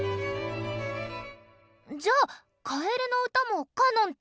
じゃあ「カエルの歌」もカノンってこと？